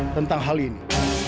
tentang hal ini